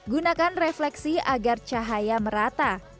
gunakan refleksi agar cahaya merata